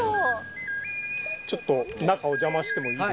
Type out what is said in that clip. ちょっと中お邪魔してもいいですか？